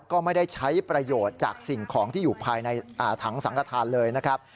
ก็ไม่ได้ใช้ประโยชน์จากสิ่งของที่อยู่ภายในถังสังกฐานเลยนะครับ